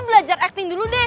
belajar acting dulu deh